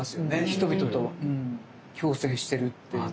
人々と共生してるっていう。